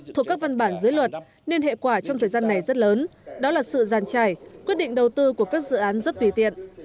thuộc các văn bản dưới luật nên hệ quả trong thời gian này rất lớn đó là sự giàn trải quyết định đầu tư của các dự án rất tùy tiện